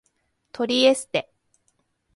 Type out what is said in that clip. トリエステ